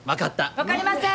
分かりません！